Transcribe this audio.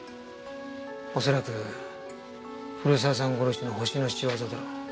おそらく古沢さん殺しのホシの仕業だろう。